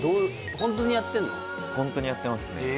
ホントにやってますねえ